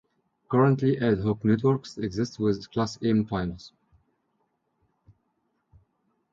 Currently ad-hoc networks exist with class A mobiles.